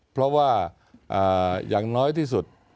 เพราะว่าอย่างน้อยที่สุด